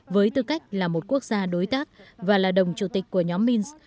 với tư cách là một quốc gia đối tác và là đồng chủ tịch của nhóm minsk